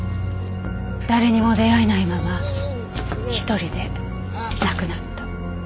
誰にも出会えないままひとりで亡くなった。